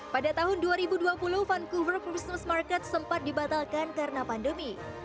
pada tahun dua ribu dua puluh vancouver christmas market sempat dibatalkan karena pandemi